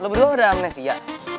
lo berdua udah amnesia